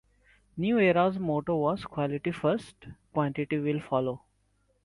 New Era's motto was "Quality First, Quantity Will Follow".